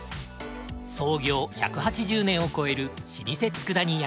創業１８０年を超える老舗佃煮屋